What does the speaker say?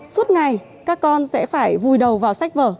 suốt ngày các con sẽ phải vùi đầu vào sách vở